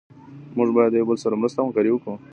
موږ باید د یو بل سره مرسته او همکاري وکړو.